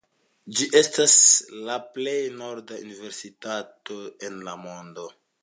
Ĝi estas la plej norda universitato en la mondo.